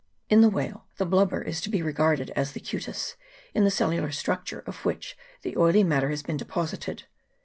In the whale the blubber is to be re garded as the cutis, in the cellular structure of which the oily matter has been deposited.